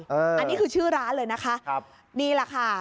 อันนี้คือชื่อร้านเลยนะคะครับนี่แหละค่ะ